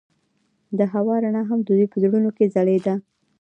د هوا رڼا هم د دوی په زړونو کې ځلېده.